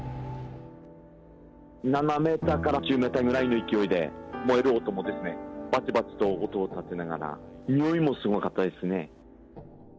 ７メーターから１０メーターぐらいで、燃える音もですね、ばちばちと音をたてながら、臭いもすごかったですね。